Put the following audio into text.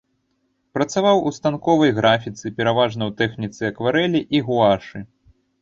Працаваў у станковай графіцы пераважна ў тэхніцы акварэлі і гуашы.